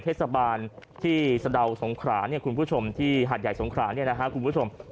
เทศบาลที่สดาวสงขรานคุณผู้ชมที่หัดใหญ่สงขรานคุณผู้ชม